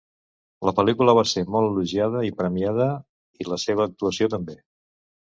La pel·lícula va ser molt elogiada i premiada i la seva actuació també.